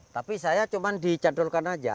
tapi saya cuma dicandalkan saja